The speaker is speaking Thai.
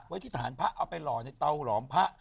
ที่ฐานพระเอาไปหล่อในเตาหลอมพระ